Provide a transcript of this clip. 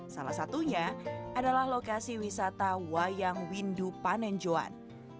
salah satunya adalah lokasi wisata wayang windu panenjoan